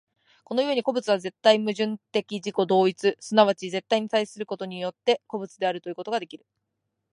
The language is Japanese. この故に個物は絶対矛盾的自己同一、即ち絶対に対することによって、個物であるということができる。